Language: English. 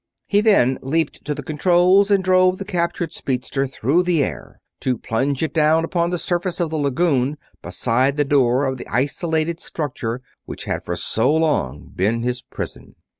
He then leaped to the controls and drove the captured speedster through the air, to plunge it down upon the surface of the lagoon beside the door of the isolated structure which had for so long been his prison.